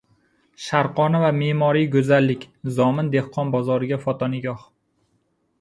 Sharqona va me’moriy go‘zallik. Zomin dexqon bozoriga fotonigoh